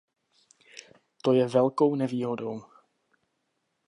To je velkou nevýhodou.